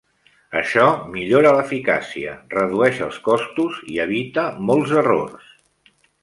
Això millora l"eficàcia, redueix els costos i evita molts errors.